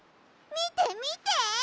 みてみて！